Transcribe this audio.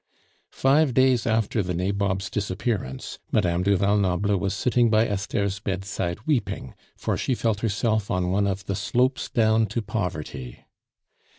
Five days after the nabob's disappearance, Madame du Val Noble was sitting by Esther's bedside weeping, for she felt herself on one of the slopes down to poverty.